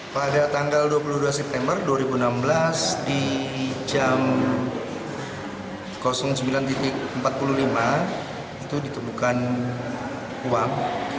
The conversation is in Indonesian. pada tanggal dua puluh dua september dua ribu enam belas di jam sembilan empat puluh lima itu ditemukan uang